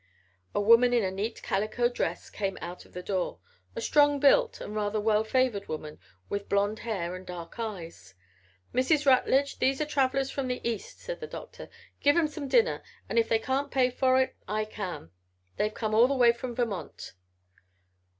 A woman in a neat calico dress came out of the door a strong built and rather well favored woman with blond hair and dark eyes. "Mrs. Rutledge, these are travelers from the East," said the Doctor. "Give 'em some dinner, and if they can't pay for it, I can. They've come all the way from Vermont."